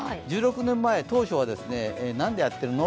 １６年前、当初は何でやってるの？